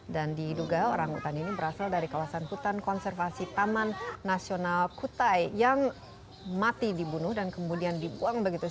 dan diduga orangutan ini berasal dari kawasan hutan konservasi taman nasional kutai yang mati dibunuh dan kemudian dibuang begitu saja